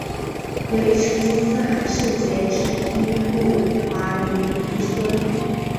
为成吉思汗四杰之一木华黎裔孙。